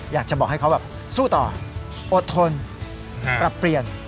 อยากจะบอกให้เขาแบบสู้ต่ออดทนปรับเปลี่ยน